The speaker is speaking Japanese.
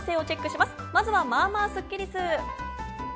まずはまぁまぁスッキりす。